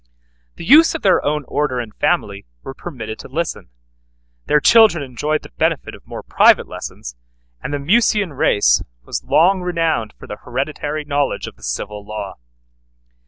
The youths of their own order and family were permitted to listen; their children enjoyed the benefit of more private lessons, and the Mucian race was long renowned for the hereditary knowledge of the civil law.